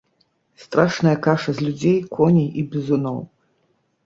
Страшная каша з людзей, коней і бізуноў.